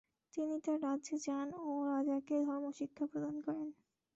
তিনি তার রাজ্যে যান ও রাজাকে ধর্মশিক্ষা প্রদান করেন।